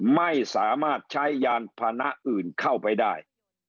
ไม่สามารถใช้ยานพานะอื่นเข้าไปได้